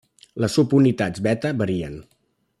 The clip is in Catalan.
Les subunitats beta varien.